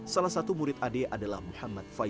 salah satu murid adik adalah tuan anadra mengaji